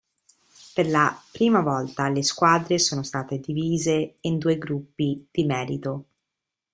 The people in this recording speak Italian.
Per la prima volta le squadre sono state divise in due gruppi di merito.